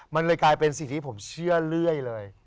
มันเลยกลายเป็นสิ่งที่ผมเชื่อเรื่อยเลย